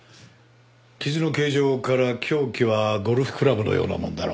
傷の形状から凶器はゴルフクラブのようなものだろう。